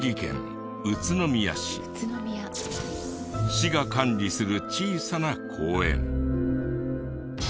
市が管理する小さな公園。